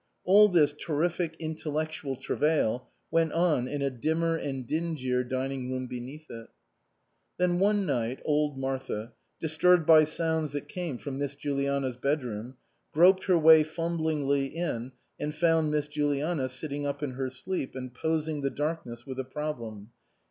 All this terrific intellectual travail went on in a dimmer and dingier dining room beneath it. Then one night, old Martha, disturbed by sounds that came from Miss Juliana's bedroom, groped her way fumblingly in and fonnd Miss Juliana sitting up in her sleep and posing the darkness with a problem.